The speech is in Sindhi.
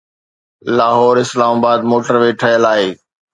Lahore Islamabad motorway ٺهيل آهي.